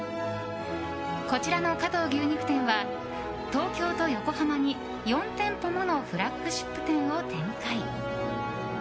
こちらの加藤牛肉店は東京と横浜に４店舗ものフラッグシップ店を展開。